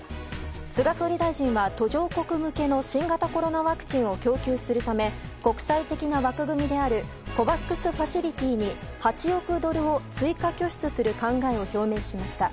菅総理大臣は途上国向けの新型コロナワクチンを供給するため国際的な枠組みであるＣＯＶＡＸファシリティに８億ドルを追加拠出する考えを表明しました。